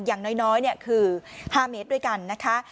อย่างน้อยคือ๕เมตรด้วยกันนะคะ